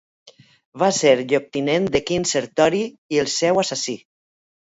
Va ser lloctinent de Quint Sertori i el seu assassí.